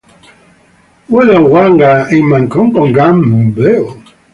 Wodew'adwa ni makongo gha mbeo.